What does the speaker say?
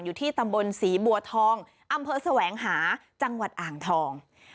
อยู่ที่ตำบลศรีบัวทองอำเภอแสวงหาจังหวัดอ่างทอง